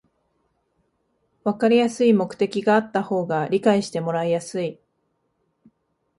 わかりやすい目的があった方が理解してもらいやすい